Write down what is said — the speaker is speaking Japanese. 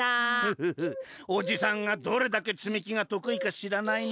フフフおじさんがどれだけつみきがとくいかしらないな？